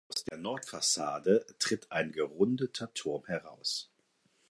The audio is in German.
Aus der Nordfassade tritt ein gerundeter Turm heraus.